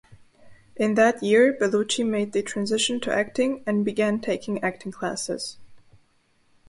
In that year, Bellucci made the transition to acting and began taking acting classes.